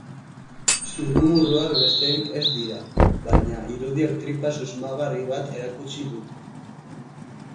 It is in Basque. Zurrumurruak besterik ez dira, baina irudiek tripa susmagarri bat erakutsi dute.